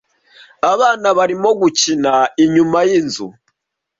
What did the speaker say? Abana barimo gukina inyuma yinzu.